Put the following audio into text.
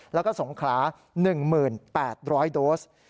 แล้วก็สงขลา๑๘๐๐โดส